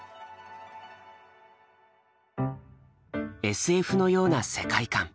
ＳＦのような世界観。